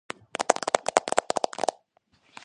მაღალი ადგილები შემოსილია ფოთლოვანი და მუქწიწვოვანი ტყეებით.